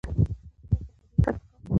زه له تجربې زده کړه کوم.